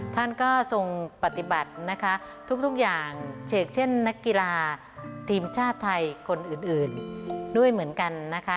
ท่านก็ทรงปฏิบัตินะคะทุกอย่างเฉกเช่นนักกีฬาทีมชาติไทยคนอื่นด้วยเหมือนกันนะคะ